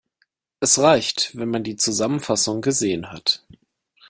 Es reicht, wenn man die Zusammenfassung gesehen hat.